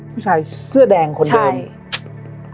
ผู้ชายเสื้อแดงคนเดิม